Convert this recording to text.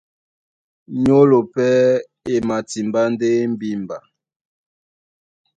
Nyólo pɛ́ e matimbá ndé mbimba.